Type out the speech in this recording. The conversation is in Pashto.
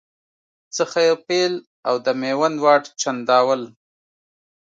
څخه پیل او د میوند واټ، چنداول